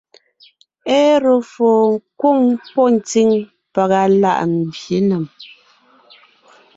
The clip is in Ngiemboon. Éru fô kwóŋ pɔ́ ntsíŋ pàga láʼ mbyě nèm;